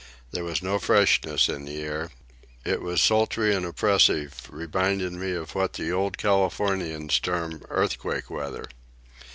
There was no freshness in the air. It was sultry and oppressive, reminding me of what the old Californians term "earthquake weather."